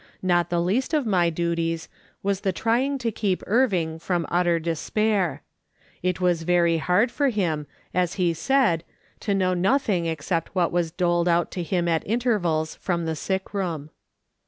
Not the least of my duties was the trying to keep Irving from utter despair. It was very hard for him, as he said, to know nothing except what was doled out to him at intervals from the sick room.